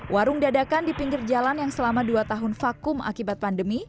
warung dadakan di pinggir jalan yang selama dua tahun vakum akibat pandemi